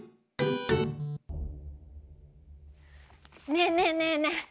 ねえねえねえねえ。